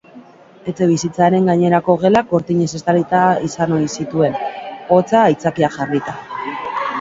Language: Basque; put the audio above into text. Etxebizitzaren gainerako gelak gortinez estalita izan ohi zituen, hotza aitzakia jarrita.